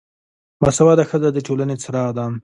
با سواده ښځه دټولنې څراغ ده